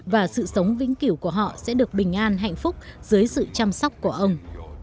và sự sống vĩnh cửu của họ sẽ được bình an hạnh phúc dưới sự chăm sóc của ông